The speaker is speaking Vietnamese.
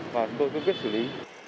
chúng tôi tương quyết xử lý